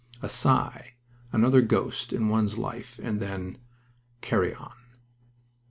A sigh, another ghost in one's life, and then, "Carry on!"